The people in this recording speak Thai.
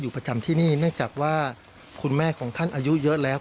ประจำที่นี่เนื่องจากว่าคุณแม่ของท่านอายุเยอะแล้ว